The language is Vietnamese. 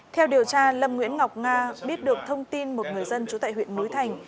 theo điều tra lâm nguyễn ngọc nga biết được thông tin một người dân trú tại huyện núi thành